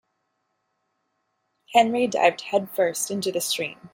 Henry dived headfirst into the stream.